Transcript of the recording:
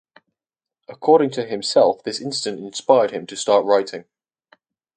According to himself this incident inspired him to start writing.